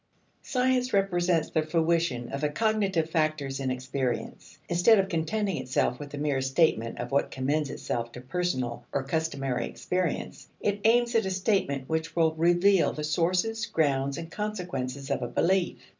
Science represents the fruition of the cognitive factors in experience. Instead of contenting itself with a mere statement of what commends itself to personal or customary experience, it aims at a statement which will reveal the sources, grounds, and consequences of a belief.